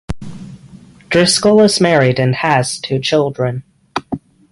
Driscoll is married and has two children.